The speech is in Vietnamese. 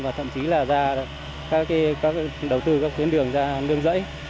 và thậm chí là ra các đầu tư các tuyến đường ra nương rẫy